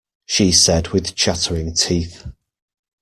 She said with chattering teeth.